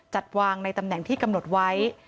จัดวางในตำแหน่งที่กำหนดไว้